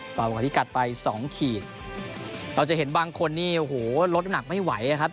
ต่อมาก่อนที่กัดไปสองขีดเราจะเห็นบางคนนี่โอ้โหลดหนักไม่ไหวนะครับ